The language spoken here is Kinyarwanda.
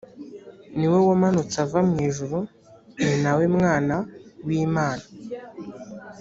niwewamanutse ava mu ijuru ninawe mwana w;imana.